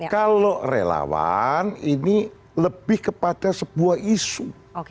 kalau relawan ini lebih kepada sebuah isu